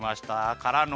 からの。